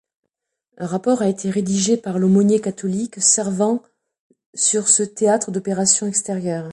Un rapport a été rédigé par l'aumônier catholique servant sur ce théâtre d'opérations extérieures.